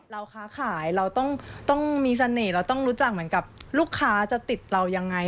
ค้าขายเราต้องมีเสน่ห์เราต้องรู้จักเหมือนกับลูกค้าจะติดเรายังไง